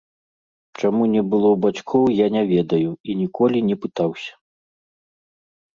Чаму не было бацькоў, я не ведаю і ніколі не пытаўся.